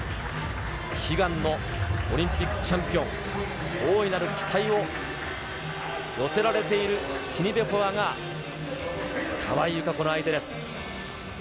悲願のオリンピックチャンピオン、大いなる期待を寄せられているティニベコワが、川井友香子の相手です。